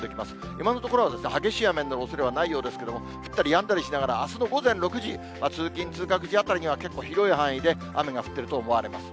今のところは激しい雨のおそれはないようですけれども、降ったりやんだりしながら、あすの午前６時、通勤・通学時あたりには結構広い範囲で、雨が降っていると思われます。